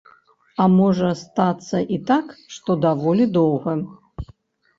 А можа стацца і так, што даволі доўга.